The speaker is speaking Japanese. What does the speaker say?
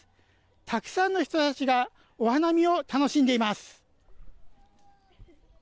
たくさんの人たちがお花見を楽しんでいます。